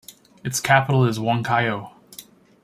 Its capital is Huancayo.